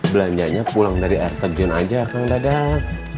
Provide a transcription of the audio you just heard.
belanjanya pulang dari air terjun aja kang dadap